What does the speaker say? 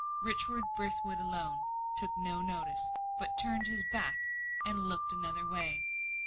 Richard Brithwood alone took no notice, but turned his back and looked another way.